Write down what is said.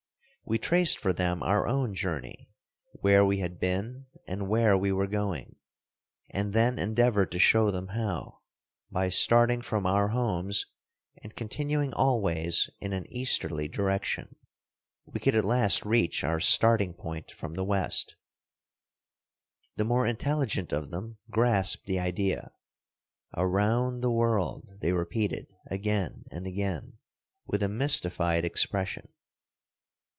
We traced for them our own journey, where we had been and where we were going, and then endeavored to show them how, by starting from our homes and continuing always in an easterly direction, we could at last reach our starting point from the west. The more intelligent of them grasped the idea. "Around the world," they repeated again and again, with a mystified expression.